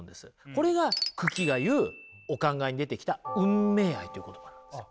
これが九鬼が言うお考えに出てきた「運命愛」っていう言葉なんですよ。